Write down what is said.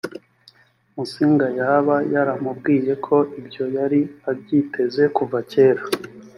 musinga yaba yaramubwiye ko ibyo yari abyiteze kuva kera